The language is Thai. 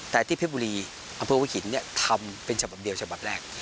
แต่ที่เพชรบุรีอำเภอหัวหินทำเป็นฉบับเดียวฉบับแรก